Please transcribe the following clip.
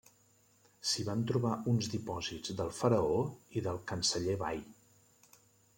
S'hi van trobar uns dipòsits del faraó i del canceller Bai.